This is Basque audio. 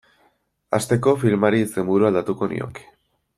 Hasteko, filmari izenburua aldatuko nioke.